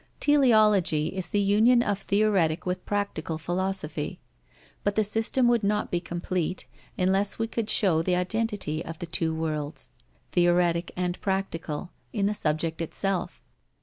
Teleology is the union of theoretic with practical philosophy. But the system would not be complete, unless we could show the identity of the two worlds, theoretic and practical, in the subject itself.